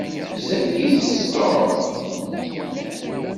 Bezzaf i itett Tom.